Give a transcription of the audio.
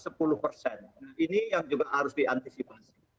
nah ini yang juga harus diantisipasi